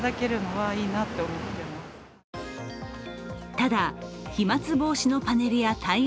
ただ、飛まつ防止のパネルや対応